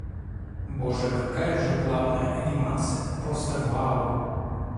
Боже, какая же плавная анимация! Просто вау-у-у!